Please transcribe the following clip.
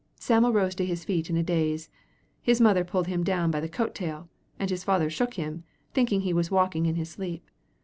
Sam'l rose to his feet in a daze. His mother pulled him down by the coat tail, and his father shook him, thinking he was walking in his sleep.